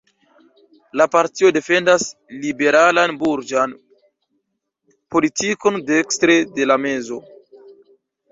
La partio defendas liberalan burĝan politikon dekstre de la mezo.